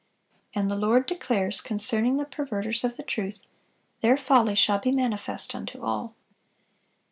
(402) And the Lord declares concerning the perverters of the truth, "Their folly shall be manifest unto all."